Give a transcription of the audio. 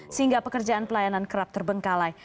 sehingga pekerjaan pelayanan kerap terbengkalai